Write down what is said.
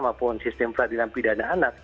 maupun sistem peradilan pidana anak